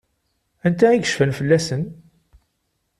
Anta i yecfan fell-asen?